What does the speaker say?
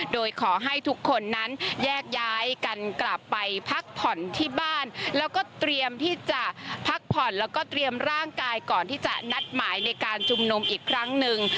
โดยขอให้ทุกคนนั้นแยกย้ายกันกลับไปพักผ่อนที่บ้านแล้วก็เตรียมที่จะพักผ่อนแล้วก็เตรียมร่างกายก่อนที่จะนัดหมายในการชุมนุมอีกครั้งหนึ่ง